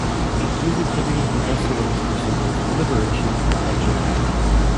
Music videos were also released for singles "Delibration" and "July".